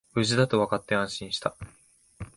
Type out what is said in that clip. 無事だとわかって安心した